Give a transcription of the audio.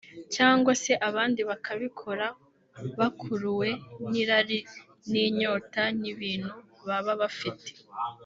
cyangwa se abandi bakabikora bakuruwe n’irari n’inyota y’ibintu baba bafite